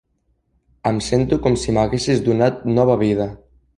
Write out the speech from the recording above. Em sento com si m'haguessis donat nova vida.